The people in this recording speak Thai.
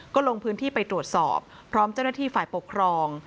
ก็ลงพื้นที่ไปตรวจสอบพร้อมเจ้าหน้าที่ฝ่ายปกครอง